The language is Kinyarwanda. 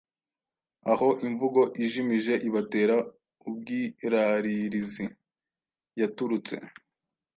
aho imvugo ijimije ibatera ubwiraririzi yaturutse,